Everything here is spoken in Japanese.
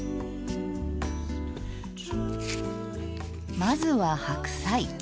まずは白菜。